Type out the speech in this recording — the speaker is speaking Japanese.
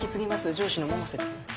上司の百瀬です